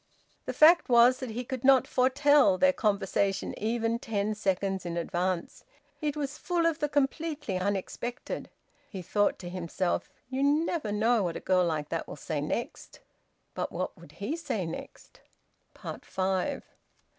The fact was that he could not foretell their conversation even ten seconds in advance. It was full of the completely unexpected. He thought to himself, "You never know what a girl like that will say next." But what would he say next? FIVE.